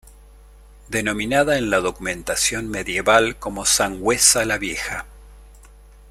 Denominada en la documentación medieval como Sangüesa la Vieja.